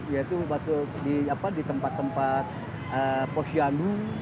yaitu di tempat tempat posyandu